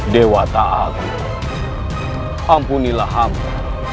dewa tak agung ampunilah hamba